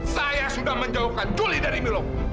saya sudah menjauhkan juli dari milo